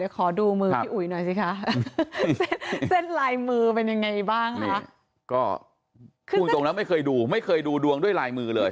คุณจงแล้วไม่เคยดูไม่เคยดูดวงด้วยลายมือเลย